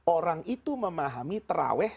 orang itu memahami terawih